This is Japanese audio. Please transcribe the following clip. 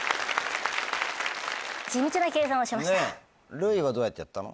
るういはどうやってやったの？